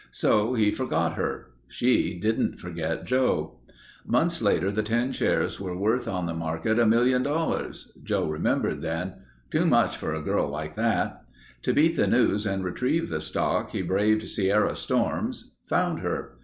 So he forgot her. She didn't forget Joe. Months later the ten shares were worth on the market $1,000,000. Joe remembered then. 'Too much for a girl like that.' To beat the news and retrieve the stock, he braved Sierra storms, found her.